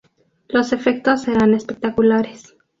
Los efectos serán espectaculares.